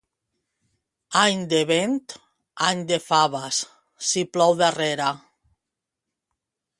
Any de vent, any de faves... si plou darrere.